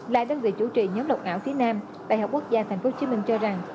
lại đơn vị chủ trì nhóm lọc ảo phía nam đại học quốc gia tp hcm cho rằng